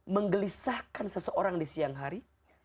menggelisahkan seseorang di siang hari